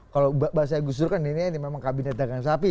kalau bahasa gus dur kan ini memang kabinet dagang sapi